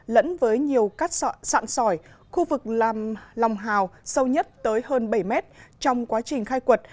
lẫn với nhiều cát sạn sỏi khu vực làm lòng hào sâu nhất tới hơn bảy mét trong quá trình khai quật